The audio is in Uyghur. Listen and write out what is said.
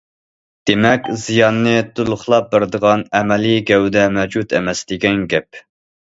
دېمەك زىياننى تولۇقلاپ بېرىدىغان ئەمەلىي گەۋدە مەۋجۇت ئەمەس، دېگەن گەپ.